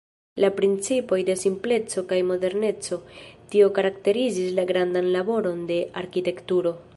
La principoj de simpleco kaj moderneco, tio karakterizis la grandan laboron de Arkitekturo.